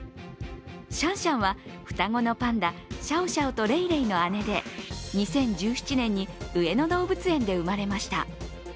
シャンシャンは双子のパンダシャオシャオとレイレイの姉で２０１７年に上野動物園で生まれました。